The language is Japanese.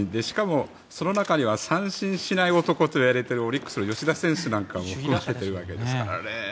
しかも、その中には三振しない男といわれているオリックスの吉田選手なんかもいたわけですからね。